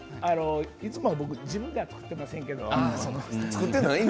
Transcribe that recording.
いつもは僕自分では作っていないんですけど。